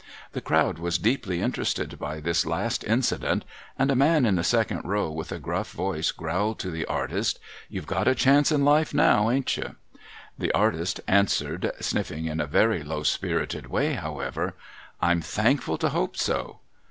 The crowd was deeply interested by this last incident, and a man in the second row with a gruff voice growled to the artist, ' You've got a chance in life now, ain't you ?' The artist answered (sniffing in a very low spirited way, however), ' I'm thankful to hope so.'